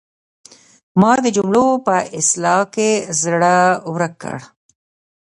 ما د جملو په اصلاح کې زړه ورک کړ.